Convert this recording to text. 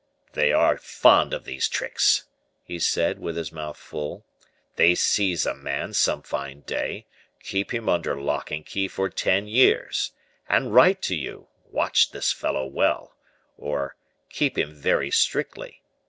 "They are fond of these tricks!" he said, with his mouth full; "they seize a man, some fine day, keep him under lock and key for ten years, and write to you, 'Watch this fellow well,' or 'Keep him very strictly.